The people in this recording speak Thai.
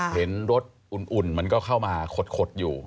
เห็นรถอุ่นมันก็เข้ามาขดอยู่